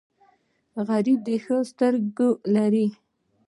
غریب د ښو ته سترګې لري